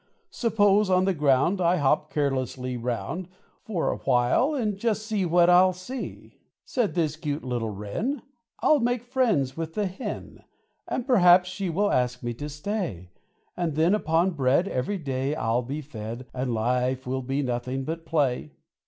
Suppose on the ground I hop carelessly round For awhile, and just see what I'll see." Said this cute little Wren, "I'll make friends with the Hen, And perhaps she will ask me to stay; And then upon bread Every day I'll be fed, And life will be nothing but play."